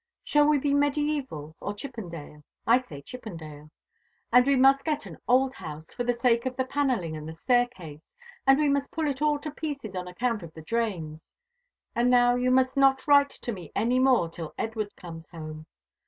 Shall we be mediæval or Chippendale? I say Chippendale. And we must get an old house, for the sake of the panelling and the staircase; and we must pull it all to pieces on account of the drains. And now you must not write to me any more till Edward comes home.